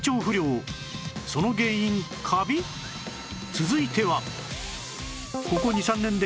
続いては